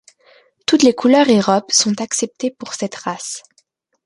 Toutes les couleurs et robes sont acceptées pour cette race.